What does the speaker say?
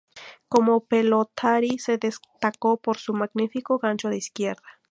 Como pelotari se destacó por su magnífico gancho de izquierda.